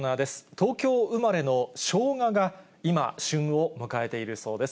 東京生まれのショウガが今、旬を迎えているそうです。